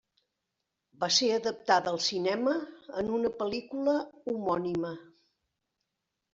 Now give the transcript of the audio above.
Va ser adaptada al cinema en una pel·lícula homònima.